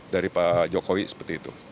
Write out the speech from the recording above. dari pak jokowi seperti itu